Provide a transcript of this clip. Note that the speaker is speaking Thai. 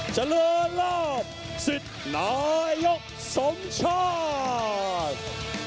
จะเลวลาบสินายกสมชาติ